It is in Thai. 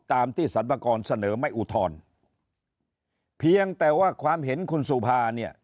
ตามที่สรรพากรเสนอไม่อุทธรณ์เพียงแต่ว่าความเห็นคุณสุภาเนี่ย